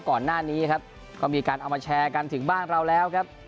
ก่อนหน้านี้ครับก็มีการเอามาแชร์กันถึงบ้านเราแล้วครับ